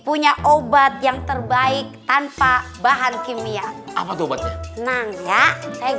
punya obat yang terbaik tanpa bahan kimia apa tuh obatnya nang ya saya